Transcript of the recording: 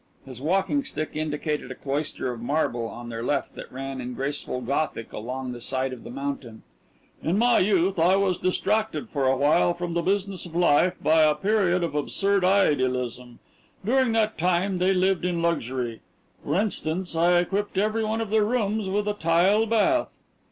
His walking stick indicated a cloister of marble on their left that ran in graceful Gothic along the side of the mountain. "In my youth I was distracted for a while from the business of life by a period of absurd idealism. During that time they lived in luxury. For instance, I equipped every one of their rooms with a tile bath."